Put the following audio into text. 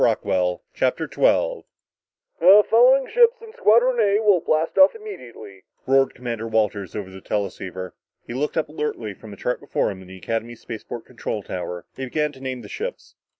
CHAPTER 12 "The following ships in Squadron A will blast off immediately," roared Commander Walters over the teleceiver. He looked up alertly from a chart before him in the Academy spaceport control tower. He began to name the ships.